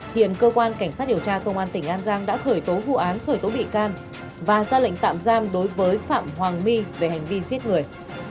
hiện cơ quan cảnh sát điều tra công an tỉnh an giang đã khởi tố vụ án khởi tố bị can và ra lệnh tạm giam đối với phạm hoàng my về hành vi giết người